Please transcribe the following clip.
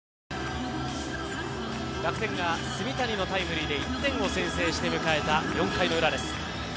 楽天が炭谷のタイムリーで１点を先制して迎えた４回の裏です。